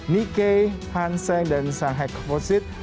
nikkei hanseng dan sanghek fosit